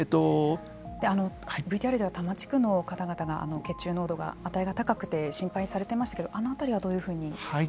ＶＴＲでも多摩地区の方々が血中濃度の値が高くて心配されていましたけどあの辺りはどういうふうに。